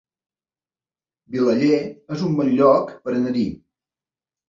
Vilaller es un bon lloc per anar-hi